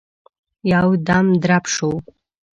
يودم درب شو.